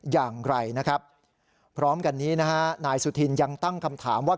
อย่างไรนะครับพร้อมกันนี้นะฮะนายสุธินยังตั้งคำถามว่า